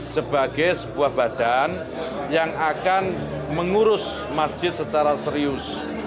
sebagai sebuah badan yang akan mengurus masjid secara serius